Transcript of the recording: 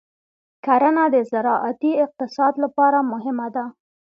کرنه د زراعتي اقتصاد لپاره مهمه ده.